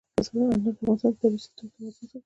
انار د افغانستان د طبعي سیسټم توازن ساتي.